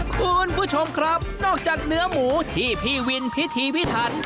คุณผู้ชมครับนอกจากเนื้อหมูที่พี่วินพิธีพิถัน